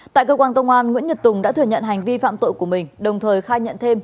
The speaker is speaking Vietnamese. tại cơ quan công an nguyễn nhật tùng đã thừa nhận hành vi phạm tội của mình đồng thời khai nhận thêm